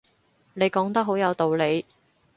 你講得好有道理